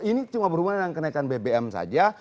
ini cuma berhubungan dengan kenaikan bbm saja